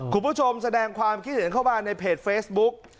คุณผู้ชมแสดงความคิดเห็นเข้ามาในเพจเฟซบุ๊ก